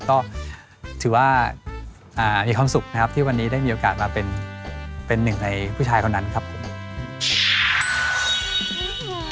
ก็ถือว่ามีความสุขนะครับที่วันนี้ได้มีโอกาสมาเป็นหนึ่งในผู้ชายคนนั้นครับผม